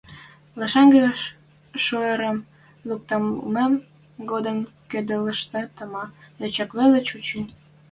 Лешӓнгӹ шуэрӹм лӱктӓлмем годым кӹдӓлӹштӹ тама йочок веле чучы...